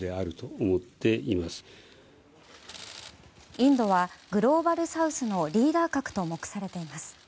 インドはグローバルサウスのリーダー格と目されています。